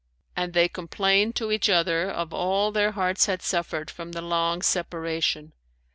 And they complained to each other of all their hearts had suffered from the long separation.